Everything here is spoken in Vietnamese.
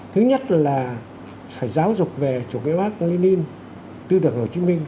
thứ nhất là phải giáo dục về chủ nghĩa bác lê ninh tư tưởng hồ chí minh